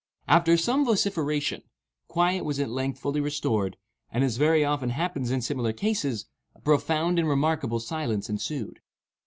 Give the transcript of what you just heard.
After some vociferation, quiet was at length fully restored, and, as very often happens in similar cases, a profound and remarkable silence ensued.